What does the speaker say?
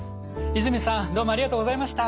泉さんどうもありがとうございました。